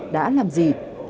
đã làm gì